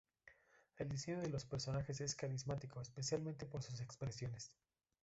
El diseño de los personajes es carismático, especialmente por sus expresiones.